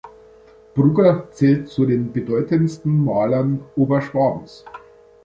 Brugger zählt zu den bedeutendsten Malern Oberschwabens.